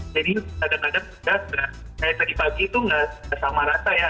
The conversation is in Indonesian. jadi kadang kadang kayak pagi pagi itu nggak sama rata ya